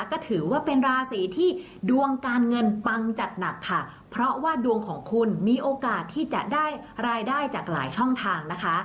ก็ถือว่าเป็นราศีที่ดวงการเงินปังจัดหนักค่ะเพราะว่าดวงของคุณมีโอกาสที่จะได้รายได้จากหลายช่องทางนะคะ